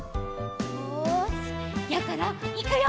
よしやころいくよ！